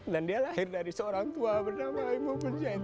dan dia lahir dari seorang tua bernama ibu penceta